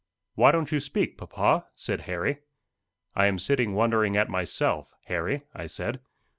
"Why don't you speak, papa?" said Harry. "I am sitting wondering at myself, Harry," I said.